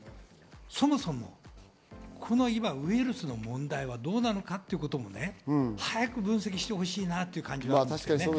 そもそもこのウイルスの問題はどうなのかっていうことも早く分析してほしいなと思います。